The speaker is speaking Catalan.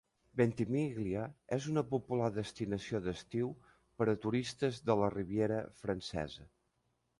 Ventimiglia és una popular destinació d'estiu per a turistes de la Riviera francesa.